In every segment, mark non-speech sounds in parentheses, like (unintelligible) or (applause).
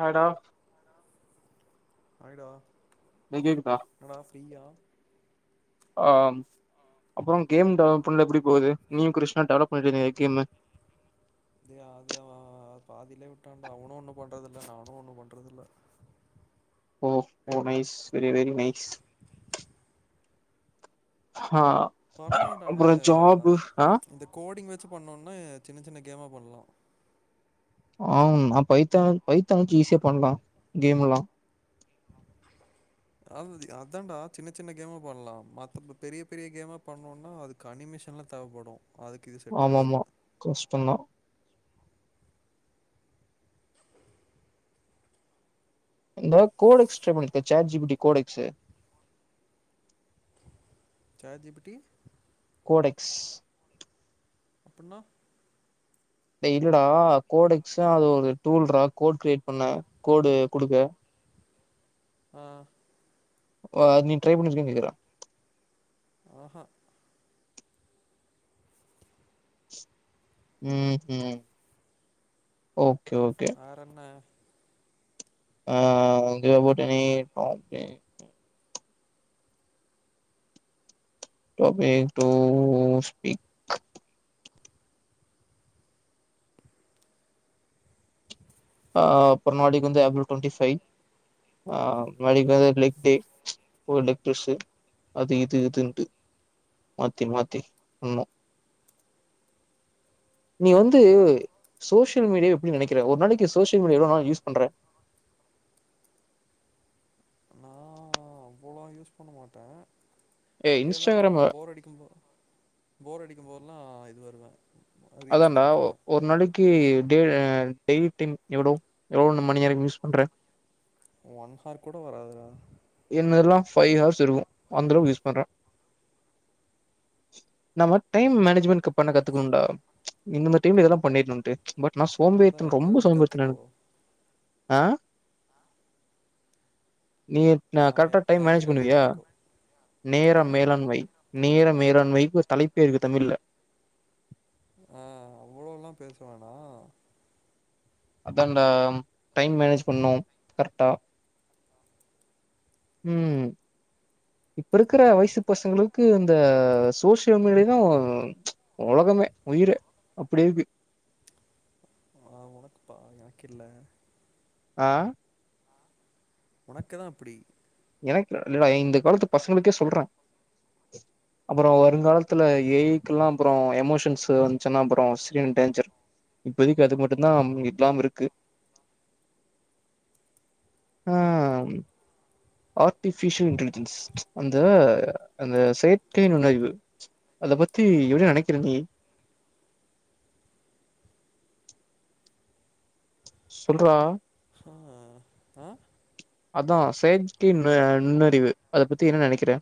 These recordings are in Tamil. ஹலோ (inaudible) (unintelligible) ஆஹ் அப்புறம் கேம் டெவலப் பண்ணல எப்படி போகுது நீிய கஷனா டெவலப் பண்ணீ கேமு இத அதது பாதிலே விட்டான்ண்டா அவனும் ஒண்ணும் பண்றதில்லை நானும் ஒன்னும் பண்றத இல்ல ஓ ஓ நஸ் வெரி வெரி நஸ் ஆஹ பண்ணலான்டா அப்புற ஜாபு அஹ பண்ணும்னா சின்ன சின்ன கேமா பண்ணலாம் ஆ் ந பைத்த பைத்தானச்சு ஈஸியா பண்ணலாம் கேம் எல்லாம் அ அதான்டா சின்ன சின்ன கேமா பண்ணலாம் மத்த பெரிய பெரிய கேமா பண்ணும்னா அதுக்கு அனிமேஷன் எலாம் தேவைப்படும் அதுக்கு இது செட் ஆம ஆகாது ஆாம கஷ்டம்தா பண்ணலாம் இந்த கோட எக்ஸ்ட்ரா பண்ணிருக்க சார் ஜிபிடி கோட எக்ஸ் (inaudible) பொரடக்ஸ் அனா இ இல்லடா கோடைக்ஸ அது ஒரு டூல்டா கோட் கிரியேட் பண்ணன் கோடு குடுக்க ஆஹ நீ ட்ரை பண்ணிருக்கன் கேக்குற ஆஹா உம் உம் ஓ வேறன்ன ஆ வந்துஅபௌடெனி டோபிக் டு ஸ்பீக் அ அப்பறமாட்டிக்கி வந்து ஏப்ரல்டொன்டி ஃபை ஆ நாளைக்கு வந்து லைக் டே ஓடெக்டீவ்ஸு அது இது இது இதுன்ட்டு மாத்தி மாத்தி ஆமா நீ வந்து சோசியல் மீடியா எப்டி நினைக்கிற ஒரு நாளைக்கு சோஷியல் மீடியா எவ்ளோ நாள் யூஸ் பண்ற நா அவ்ளோ யூஸ் பண்ண மாட்டே ஏ இருந்தாலு இன்ஸ்டாகிராம் போர் அடிக்கும்ப போர் அடி (unintelligible) ஃபோர்லா இது வருவே அதான்டா ஒரு நாளைக்கு டே டெய்லி டைம் எவ்ளோ எவ்ளோ மணி நேரம் யூஸ் பண்ற ஒன் ஹார் கூட வராதுடா என்னதெலா ஃபைவ் ஹார்ஸ் இருக்கு அந்த அளவுக்கு யூஸ் பண்றே நம்ம டைம் மேனேஜ்மெண்ட் பண்ண அவ் கத்துக்கணும்ண்டா இந்தந்த டைம்ல இதெல்லா பண்ணிரனுன்ட்டு பட் நா அதா சோம்பேரித்தனோ என்ட்ட ரொம்ப இருந்து சோம்பேரித்தனோ கத்துக்கோ எனக்கு ஆ நீ நா ஆ கரெக்ட்டா டைம் மேனேஜ் என்கிட்ட இருந்து பண்ணுவியா கத்துக்கோ ஆ நேரம் மேலாண்மை நேர மேலாண் வைப்பு தலைப்பே இருக்கு தமிழ்ல ஆ அவ்ளோலா பேசவேனா அதான்டா இந்த டைம் மேனேஜ் பண்ணோ கரெக்ட்டா உ இப்ப இருக்கிற வயசு பசங்களுக்கு இந்த சோசியல் மீடியா தா உலகமே உயிரே அப்டி இருக்கு ஆ ஓகேல ஆ உனக்குதா அப்டி (unintelligible) இல்லடா இந்த காலத்து பசங்களுக்கே சொல்றே அப்பறோ வருங்காலத்துல ஏ ஐ க்குலா அப்புறோ எமோஷன்ஸ் வந்துன்னா அப்புறோ டேஞ்சர் இப்போதக்கு அதுக் மட்டுந்தா இல்லாம இருக்கு ஆம் ஆர்டிபிஷியல் இன்டலிஜென்ஸ் அந்த அந்த செயற்கை நினைவு அத பத்தி எப்டி நெனைக்கிற நீ சொல்றா உ ஆ அதா செயற்கை ந நுண்ணறிவு அத பத்தி என்ன நினைக்கிற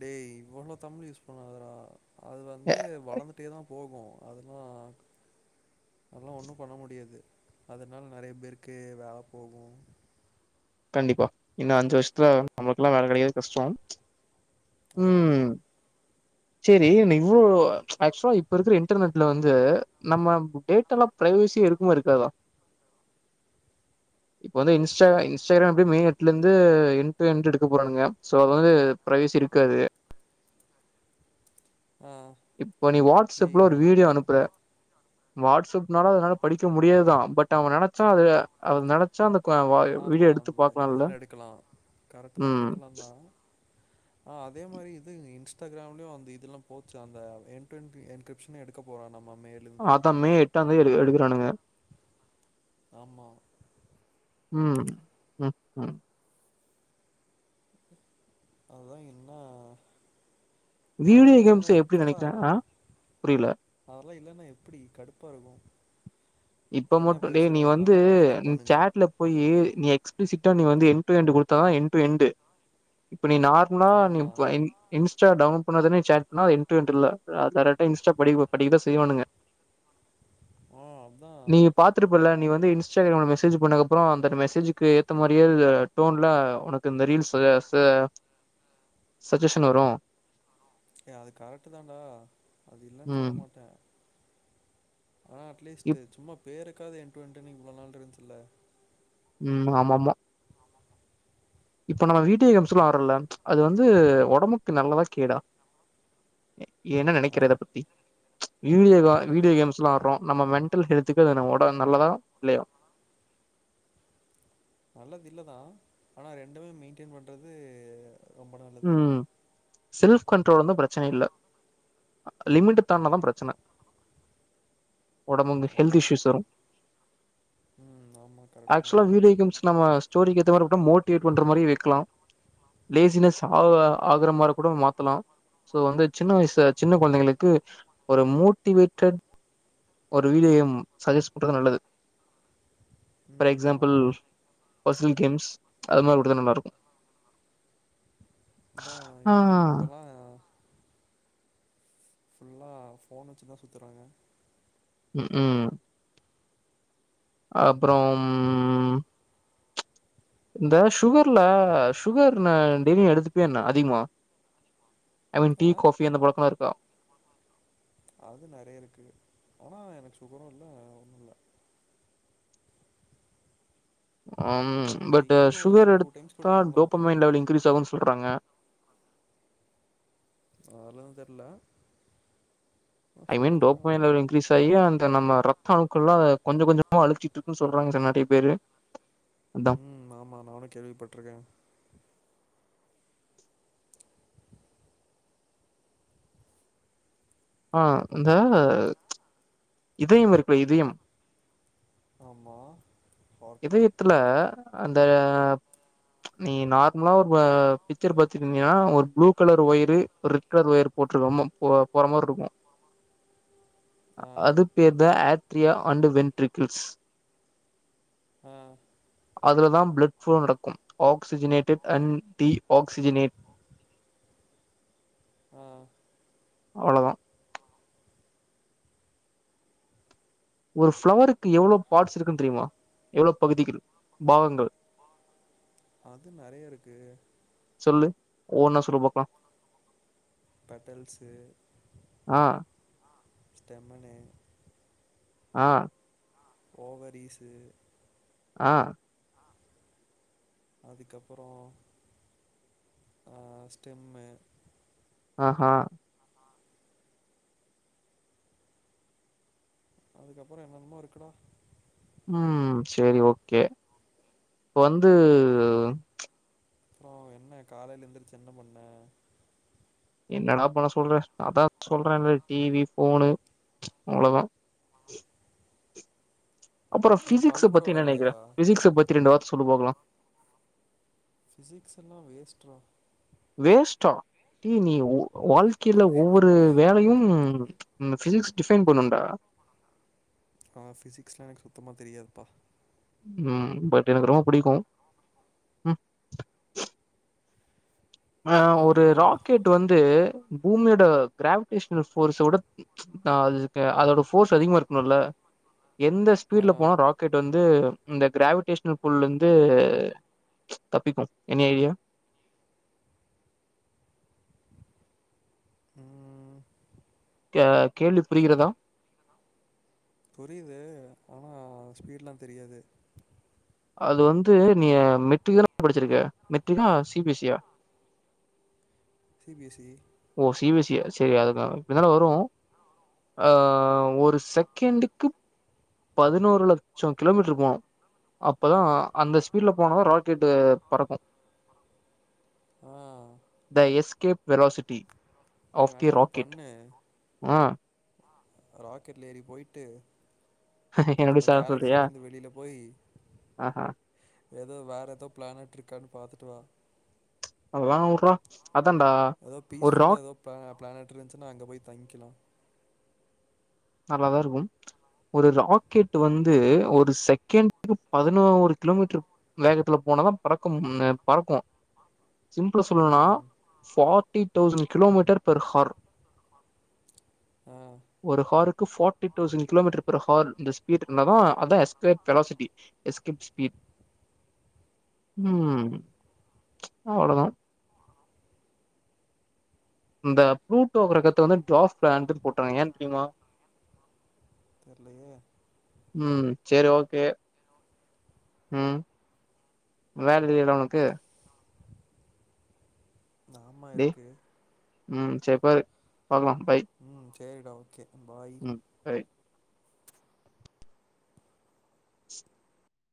டேய் இவ்வளோ தமிழ் யூஸ் பண்ணாதடா அது எ வந்து வளர்ந்துட்டே தா போகு அதெலா அதெலா ஒன்னு பண்ண முடியாது அதனால் நறையா பேருக்கு வேல போகு கண்டிப்பா இன்னு அஞ்சு வருஷத்துல நம்மளுக்குலா வேல கெடைக்கிறது கஷ்டோ அதா ம் சேரி இன்ன இவ்ளோ ஆக்சுவலா இப்ப இருக்க இன்டர்நெட்ல வந்து நம்ம டேட்ல்லா பிரைவசியா இருக்குமா இருக்காத இப்ப வந்து இன்ஸ்டா இன்ஸ் சேரி அப்பிடியு மே எட்லருந்து இ்ன்டர்ன்டுக்க போறானுங்க சோ அவது வந்து பிரைஸ் இருக்காது ஆ இப்ப நீ டேய் வாட்ஸ்அப்ல ஒரு வீடியோ அனுப்புற வாட்ஸ்அப்னால அதனால படிக்க முடியாதுதா பட் அவ நினைச்சா அது அவ நினைச்சா அந்த ஆமா வீடியோ எடுத்து ஆமா பாக்கலால்ல இதெல எடுக்கலா கரெக்ட் தா ம் எடுக்கலா தா ஆ அதே மாரி இது இன்ஸ்டாகிராம்லயு அந்த இதுலா போச்சா அந்த என் டு எண்டு என்கிரிப்ஷனயு எடுக்க போறானாமா ஆத்தா மே எட்டா தே எடு எடுக்கிறானுங்க ஆமா ம் ம் ம் அதா இன்னா வீடியோ அதெல்லா கேம்ஸ் இல்லன்னா எப்டி எப்பரா நெனைக்கிற ஆ புரில அதெல்லா இல்லன்னா எப்பிடி கடுப்பா இருக்கு இப்ப மட்டு டே நீ வந்து பாத்துட்டு நீ இருப்பானுங்க சேட்ல போய் நீ எக்ஸ்பிசிட்டா நீ வந் து எண்டு எண்டு குடுத்தா எண்டு எண்டு இப்ப நீ நார்மலா நீ ஆமா வ இன்ஸ்டா டவுன் புண்ணாதுனு சேட் பண்ணா என் டு எண்டுல அது கரெக்ட்டா இன்ஸ்டா படிக்குபோ படிக்கதா செய்வாணுங்க ம் அதா நீங்க பாத்துருப்பல்ல நீ வந்து இன்ஸ்டாகிராம்ல மெசேஜ் பண்ணக்கப்புறோ அந்த மெசேஜுக்கு ஏத்த மாரியே டோன்ல உனக்கு இந்த ரீல்ஸ்ஸு சஜஷன் வரு ஏ அது கரெக்ட்டுதான்டா அது இல்லன்னு ம் சொல்லமாட்டே ஆனா அட்லீஸ்ட் இப் சும்மாப் பேருக்காவது எனட்டு என்ட்டுன்னக்கு இவ்வளோ நாள் இருந்ச்சில்ல ம் ஆமாமா இப்ப நம்ம வீட்டியே கேம்ஸ்ல்லா ஆரல்ல அது வந்து உடம்புக்கு நல்லதா கேடா ஏன ஆ நெனைக்கிற இத பத்தி வீடியோகா என்னது வீடியோ கேம்ஸ்ல்லா ஆடுறோ நம்ம மென் ட்டல் ஹெத்துக்கு நமோட நல்லதா இல்லையா நல்லது இல்லதா ஆனா ரெண்டுமே மெயின்டென் பண்றது ரொம்ப நல்லது ம் செல்ஃப் கண்ட்ரோல்ந்தா பிரச்சன இல்ல லிமிட்தான்னாதா பிரச்சன ஒடம்புங்கு ஆமா ஹெல்த்இஸுஸ் வரு ம். ஆமா. கரெக்ட்டு தான். ஆக்சுவலா வீடியோ கேம்ஸ் நம்ம ஸ்டோரி ஏத்த மாரி மோடேட் பண்ற மாரி வைக்கலா லேசினஸ் ஆ ஆகரமாற கூட மாத்தலா சோ வந்து சின்ன வயசு சின்ன குழந்தைங்களுக்கு ஒரு மோட்டிவேட்டட் ஒரு வீடியோ கேம் சஜஸ் பண்றது நல்லது பர் ம். எக்ஸம்பல் ஆமா. பஸில் கேம்ஸ் அது மாரி உடுத்தடுத்தா நல்லா இருக்கு இதா ஆ இப்பெல்லா ஃபுல்லா ஃபோன் வச்சிதான் சுத்தறாங்க ம் ம் அப்புறம் இந்த சுகர்ல சுகர் நான் டெய்லியும் எடுத்துப்பியா என்ன அதிகமா ஐ மீன் டீ ஆ காபி அந்த பழக்கம்லா இருக்கா அது நறையா இருக்கு ஆனா எனக்கு சுகரும் இல்ல ஒண்ணும் இல்ல ஆஹ அம் பட் டெய்லி ஒரு சுகர் டைம்ஸ் எடுத்தா குடிப்பேன் அவ்ளோதான். டோப்பமைன் லெவல் இன்க்ரீஸ் ஆகும் சொல்றாங்க அதலாம் தெர்ல ஆனா ஐ மீன் சுகர்னால டோப்மைன் லெவல் இன்க்ரீஸ் ஆயி அந்த நம்ம ரத் த அணுக்கள்லாம் கொஞ்ச கொஞ்சமா அழைச்சிட்டு இருக்குன்னு சொல்றாங்க சார் நறையா பேரு அதான். ம் ஆமா நானும் கேள்விப்பட்டுருக்கேன் ஆ இந்த இதயம் இருக்குல்ல இதயம் ஆமா ஹார்ட்டு இதயத்துல அந்த நீ நார்மலா ஒரு ஆ பிச்சர் பாத்துக்கின்யா ஒரு ப்ளூ கலர் ஒயரு ஒரு ரெட் கலர் ஒயர் போட்டுருக்கம்மம் போ போற மாரி இருக்கும் ஆ. அது பேர்தா ஆட்ரியா அண்டு வென்ட்ரிகள்ஸ் ஆ அதுலதான் பிளட் ப்ளோ நடக்கும் ஆக்சிஜினேட்டட் அண்ட் டி ஆக்சிஜினேட் ம் அவ்ளோதான் ஒரு ஃபிளவருக்கு எவ்ளோ பார்ட்ஸ் இருக்குன்னு தெரியுமா எவ்ளோ பகுதிகள் பாகங்கள் அது நறையா இருக்கு சொல்லு ஒவ்வொன்னா சொல்லு பாக்கலா பெட்டல்ஸு ஆ ஸ்டெமினே ஆ ஓவரீஸு ஆ அதுக்கப்புற ஆ ஸ்டெம்மு ஆஹ அதுக்கப்புற என்னென்னமோ இருக்குடா ம் செரி ஓகே இப்ப வந்து அப்புறம் என்ன காலையில எந்திருச்சி என்ன பண்ண என்னடா பண்ண சொல்ற அதான் சொல்றல்ல டிவி ஃபோனு அவ்ளோதா (inaudible) அப்புறோ ஏ பிசிக்ஸ பல்லு கூட பத்தி என்ன நெனக்கிற வெளக்கலையா பிசிக்ஸ பத்தி ரண்டு வார்த்த சொல்லு பாக்கலாம் ஃபிசிக்ஸ் லா வேஸ்ட்ரா வேஸ்டா நீ ஓ வாழ்க்கையல ஒவ்வொரு வேலையு ஃபிசிக்ஸ் டிஃபைன் பண்ணும்டா ஆ ஃபிசிக்ஸ் லா எனக்கு சுத்தமா தெரியாதுப்பா ம் பட் எனக்கு ரொம்ப புடிக்கும் ம் ஆ ஒரு ஐயோ ராக்கெட் வந்து பூமியோட கிராவிடேஷனல் ஃபோர்ஸ விட ஆ அது அதோட ஃபோர்ஸ் அதிகமா இருக்கணுல்ல எந்த ஆ ஸ்பீட்ல போனோ ராக்கெட் வந்து இந்த கிராவிடேஷனல் கூல் இருந்து தப்பிக்கு எனி ஐடியா உ இக் கேள்வி புரிகிறதா புரியுது ஆனா ஸ்பீட்ல்லா தெரியாது அது வந்து நீ மெட்ரிக்லா படிச்சிருக்க மெடரிக்கா சிபிஎஸ்இ யா சிபிஎஸ்இ ஓ சி பி எஸ் இ யா வரு ஆ ஒரு செகன்ட் க்கு பதினோரு லட்சம் கிலோமீட்டர் போனோ அப்பதா அந்த ஸ்பீட்ல போனதா ராக்கெட்டு பறக்கு ஆ the escape velocity நீ ஆப் தி வேணா ஒன்னு ராக்கெட் ஆ ராக்கெட் ல ஏறி போயிட்டு என்னடி நம்ம சாவ சொல்றியா கேலக்சிலேருந்து வெளியில போய் ஆஹ ஏதோ வேற ஏதோ பிளானட் இருக்கான் பாத்துட்டு வா அதல்ல உர் ரா ஏதோ பீஸ் ஃபுல்லா ஏதோ பிளா பிளானரியச்சுன்னா அங்க போய் தங்கிக்கலா நல்லாதா இருக்கு ஒரு ராக்கெட் வந்து ஒரு செகண்டக்கு பதினோரு கிலோமீட்டர் வேகத்துல போனதா பறக்க ம் பறக்கோ சிம்பிலா சொல்லலோனா ம் forty thousand kilometre per hour ஆ ஒரு ஆரு ஃபார்ட்டி தோஸண்ட் கிலோமீட்டர் பேர ஹௌர்லா தா ஸ்பீட்ல அதா எஸ்கேப் வேலாசிட்டி எஸ்கேப் ஸ்பீட் ஆமா ம் அவ்ளோதா இந்த பு்ளூட்டோ கிரகத்த வந்து டாஃப் பிளானடு போட்றங்க ஏ தெரியுமா தெர்லயே ம் செரி ஓகே ம் வேல தெரில ஓனக்கு ஆமா டே இருக்கு ம் சரிப்பரு பாக்கலா பாய் ம் சரிடா ஓகே பாய் ம் சரி